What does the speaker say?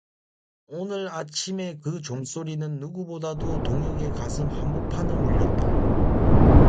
오늘 아침의 그 종소리는 누구보다도 동혁의 가슴 한 복판을 울렸다.